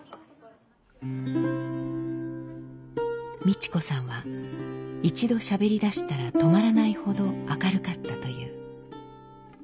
ミチ子さんは一度しゃべりだしたら止まらないほど明るかったという。